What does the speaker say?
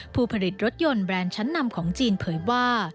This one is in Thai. ผู้ผลิตรถยนต์แบรนด์ชั้นนำของจีนเผยว่า